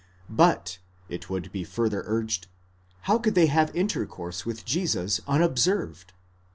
But, it would be further urged, how could they have intercourse with Jesus unobserved?